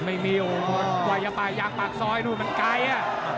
ไม่มีโอ้วไว้อย่าปากยางปากซ้อยหนูมันไกลอ่ะ